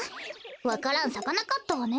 わか蘭さかなかったわね。